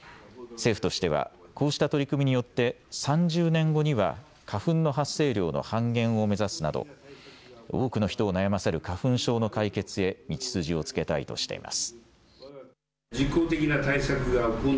政府としては、こうした取り組みによって、３０年後には花粉の発生量の半減を目指すなど、多くの人を悩ませる花粉症の解決へ道筋をつけたいとしています。